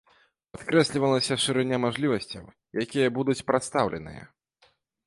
Падкрэслівалася шырыня мажлівасцяў, якія будуць прадстаўленыя.